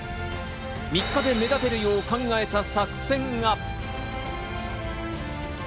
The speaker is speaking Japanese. ３日で目立てるよう考えた作戦が。